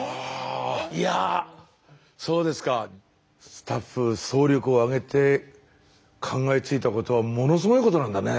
スタッフ総力を挙げて考えついたことはものすごいことなんだね。